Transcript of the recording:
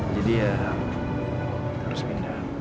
jadi ya harus pindah